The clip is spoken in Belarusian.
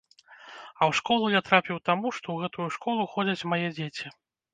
А ў школу я трапіў таму, што ў гэтую школу ходзяць мае дзеці.